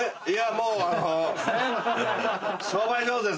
もうあのう。